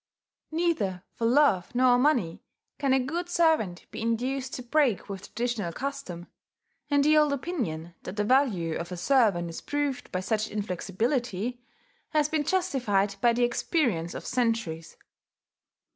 Neither for love nor money can a good servant be induced to break with traditional custom; and the old opinion, that the value of a servant is proved by such inflexibility, has been justified by the experience of centuries.